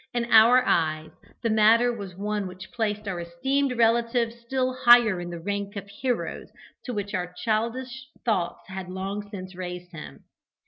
In our eyes the matter was one which placed our esteemed relative still higher in the rank of heroes to which our childish thoughts had long since raised him.